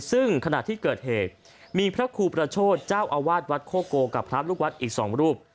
ซึ่งขณะที่เกิดเหตุมีพระครูประโชธเจ้าอาวาสวัดโคโกกับพระลูกวัดอีก๒รูป